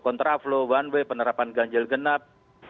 kontraflow one way penerapan ganjil genap